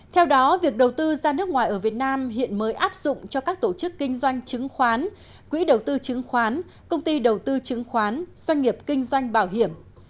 theo đó việc đầu tư ra nước ngoài ở việt nam hiện mới áp dụng cho các tổ chức kinh doanh chứng khoán quỹ đầu tư chứng khoán công ty đầu tư chứng khoán doanh nghiệp kinh doanh bảo hiểm